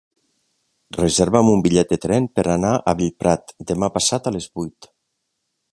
Reserva'm un bitllet de tren per anar a Bellprat demà passat a les vuit.